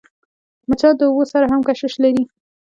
مچان د اوبو سره هم کشش لري